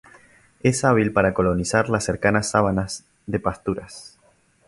Es hábil para colonizar las cercanas sabanas de pasturas.